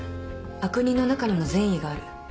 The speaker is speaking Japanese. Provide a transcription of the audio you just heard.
悪人の中にも善意がある。